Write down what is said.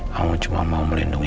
kamu cuma mau melindungi